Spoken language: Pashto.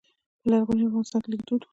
په لرغوني افغانستان کې لیک دود و